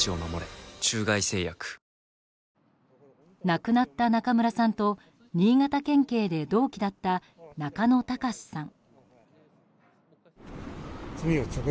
亡くなった中村さんと新潟県警で同期だった中野隆さん。